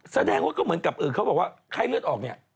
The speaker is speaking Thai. แสดงว่าก็เหมือนกับเขาบอกว่าไข้เลือดออกเนี่ย